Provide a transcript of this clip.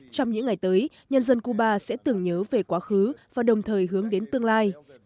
trong những ngày tới nhân dân cuba sẽ tưởng nhớ về quá khứ và đồng thời hướng đến tương lai